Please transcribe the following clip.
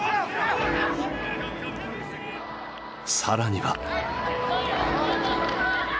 更には。